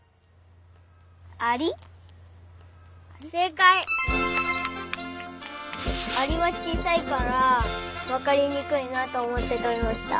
アリはちいさいからわかりにくいなとおもってとりました。